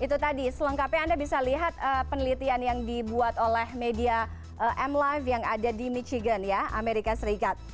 itu tadi selengkapnya anda bisa lihat penelitian yang dibuat oleh media m life yang ada di michigan ya amerika serikat